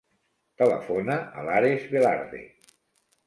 Telefona a l'Ares Velarde.